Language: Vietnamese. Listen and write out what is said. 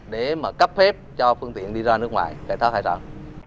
để mà cấp phép cho phương tiện đi ra nước ngoài khai thác hải sản